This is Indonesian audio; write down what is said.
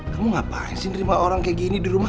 kamu ngapain sih nerima orang kayak gini di rumah